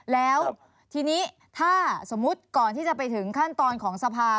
แล้วทีนี้ถ้าสมมุติก่อนที่จะไปถึงขั้นตอนของสภา